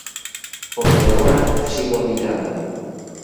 Polo de agora sigo arbitrando.